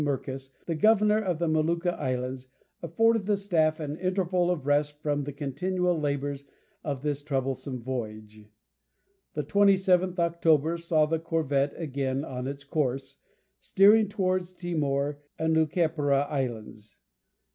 Merkus, the governor of the Molucca Island, afforded the staff an interval of rest from the continual labours of this troublesome voyage. The 27th October saw the corvette again on its course, steering towards Timor and westward of the Turtle and Lucepara Islands.